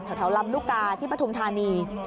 ลำลูกกาที่ปฐุมธานี